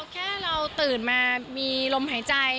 แค่เราตื่นมามีลมหายใจ